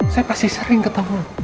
saya pasti sering ketemu